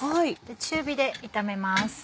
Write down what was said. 中火で炒めます。